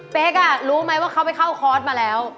รู้ไหมว่าเขาไปเข้าคอร์สมาแล้ว